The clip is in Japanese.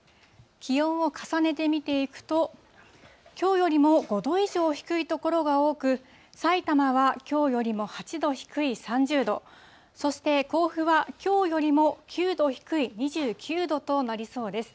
気温を重ねて見ていくと、きょうよりも５度以上低い所が多く、さいたまはきょうよりも８度低い３０度、そして甲府はきょうよりも９度低い２９度となりそうです。